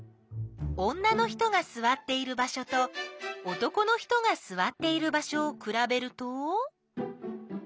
女の人がすわっている場所と男の人がすわっている場所をくらべると。